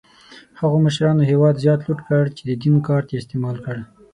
هغو مشرانو هېواد زیات لوټ کړ چې د دین کارت یې استعمال کړ.